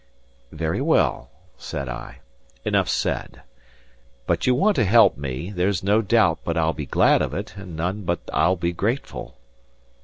"Very well," said I, "enough said. If you want to help me, there's no doubt but I'll be glad of it, and none but I'll be grateful."